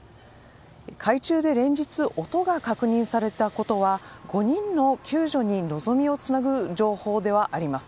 海中で連日音が確認されたことが５人の救助に望みをつなぐ情報ではあります。